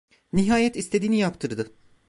Nihayet istediğini yaptırdı.